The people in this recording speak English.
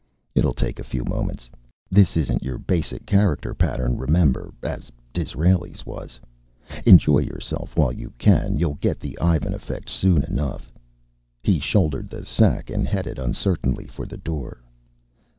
"It'll take a few moments. This isn't your basic character pattern, remember, as Disraeli's was. Enjoy yourself while you can. You'll get the Ivan effect soon enough." He shouldered the sack and headed uncertainly for the door.